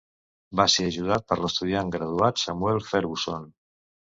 Va ser ajudat per l'estudiant graduat Samuel Ferguson.